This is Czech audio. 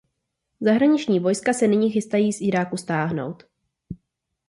Zahraniční vojska se nyní chystají z Iráku stáhnout.